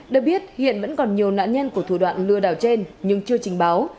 được biết hiện vẫn còn nhiều nạn nhân của thủ đoạn lừa đảo trên nhưng chưa trình báo